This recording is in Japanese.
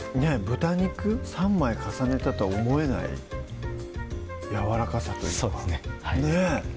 豚肉３枚重ねたと思えないやわらかさというかそうですねねぇ